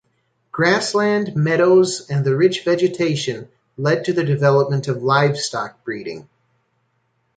Grassland, meadows and the rich vegetation led to the development of livestock breeding.